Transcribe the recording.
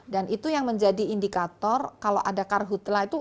dan itu yang menjadi indikator kalau ada karhutlah itu